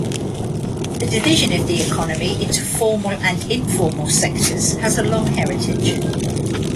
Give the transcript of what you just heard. The division of the economy into formal and informal sectors has a long heritage.